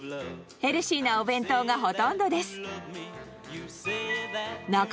ヘルシーなお弁当がほとんどです。